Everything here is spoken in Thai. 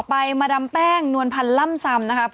ไปดูคนนี้ค่ะ